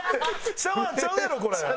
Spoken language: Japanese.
シャワーちゃうやろこれ！